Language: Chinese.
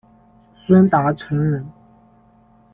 孙达成人。